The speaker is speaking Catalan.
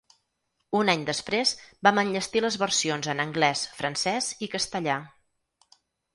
Un any després vam enllestir les versions en anglès, francès i castellà.